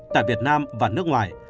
tại việt nam và nước ngoài